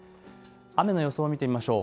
雨の予想を見てみましょう。